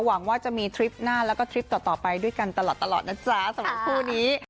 หวังว่าจะมีทริปหน้าแล้วก็ทริปต่อต่อไปด้วยกันตลอดตลอดนะจ๊ะสำหรับคู่นี้